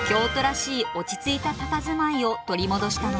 落ち着いたたたずまいを取り戻したのです。